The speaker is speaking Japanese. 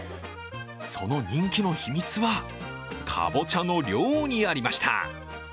その人気の秘密はかぼちゃの量にありました。